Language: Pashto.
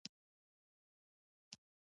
دغو لرغونپوهانو ډېر شمېر لرغوني توکي تر لاسه کړي.